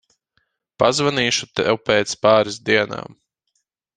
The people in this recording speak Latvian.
Pazvanīšu tev pēc pāris dienām.